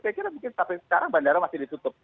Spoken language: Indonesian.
saya kira mungkin sampai sekarang bandara masih ditutup